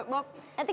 ustaz berat banget tuh